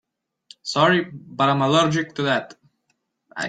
Sorry but I'm allergic to that.